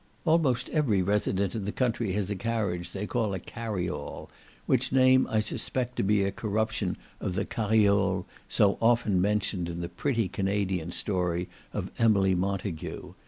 Almost every resident in the country has a carriage they call a carryall, which name I suspect to be a corruption of the cariole so often mentioned in the pretty Canadian story of Emily Montagu.